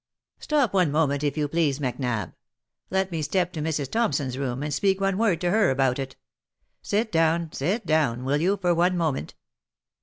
" Stop one moment, if you please, Macnab. Let me step to Mrs. Thompson's room, and speak one word to her about it. Sit down, sit down, will you, for one moment."